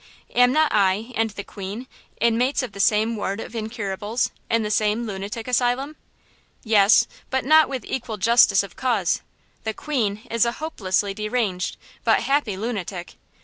Am not I and the 'queen' inmates of the same ward of incurables, in the same lunatic asylum?" "Yes, but not with equal justice of cause. The 'queen' is a hopelessly deranged, but happy lunatic.